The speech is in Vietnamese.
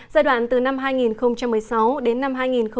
giai đoạn từ năm hai nghìn một mươi sáu đến năm hai nghìn một mươi tám